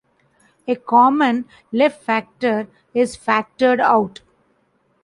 A common left-factor is "factored out".